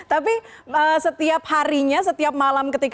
tapi setiap harinya setiap malam ketika